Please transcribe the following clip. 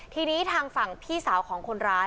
ทีนี้ทางฝั่งพี่สาวของคนร้าย